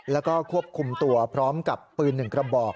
แล้วก็ควบคุมตัวพร้อมกับปืน๑กระบอก